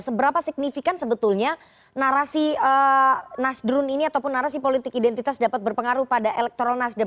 seberapa signifikan sebetulnya narasi nasdrun ini ataupun narasi politik identitas dapat berpengaruh pada elektoral nasdem